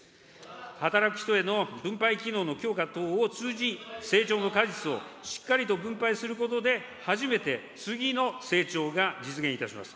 働く人への分配機能の強化等を通じ、成長の果実をしっかりと分配することで、初めて次の成長が実現いたします。